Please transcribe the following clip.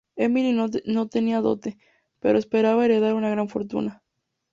Emilie no tenía dote, pero esperaba heredar una gran fortuna.